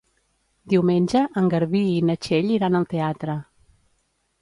Diumenge en Garbí i na Txell iran al teatre.